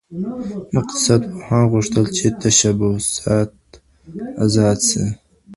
اقتصاد پوهانو غوښتل چې تشبثات آزاد سي.